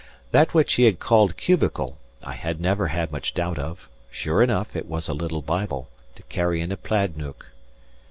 That which he had called cubical, I had never had much doubt of; sure enough it was a little Bible, to carry in a plaid neuk.